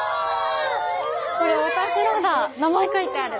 これ私のだ名前書いてある。